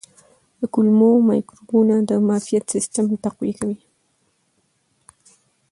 د کولمو مایکروبونه د معافیت سیستم تقویه کوي.